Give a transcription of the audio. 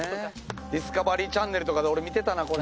ディスカバリーチャンネルとかで俺見てたなこれ。